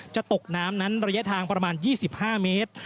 จะตกน้ำนั้นระยะทางประมาณ๒๕เมตร